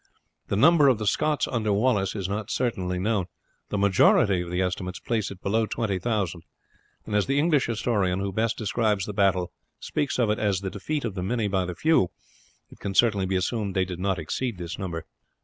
The number of the Scots under Wallace is not certainly known; the majority of the estimates place it below twenty thousand, and as the English historian, who best describes the battle, speaks of it as the defeat of the many by the few, it can certainly be assumed that it did not exceed this number.